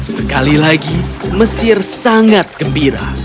sekali lagi mesir sangat gembira